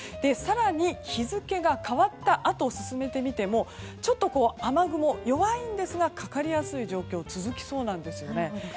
更に日付が変わったあと進めてみてもちょっと雨雲が弱いんですがかかりやすい状況が続きそうです。